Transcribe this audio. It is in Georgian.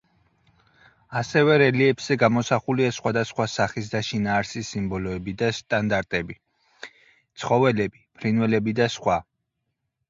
ასევე რელიეფზე გამოსახულია სხვადასხვა სახის და შინაარსის სიმბოლოები და შტანდარტები, ცხოველები, ფრინველები და სხვა.